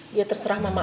dia terserah mama apa sih